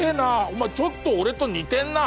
お前ちょっと俺と似てんな。